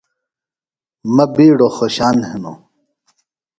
مہ بِیڈوۡ خوشان ہِنوۡ۔